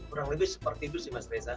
kurang lebih seperti itu sih mas reza